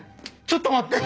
ちょっと待って。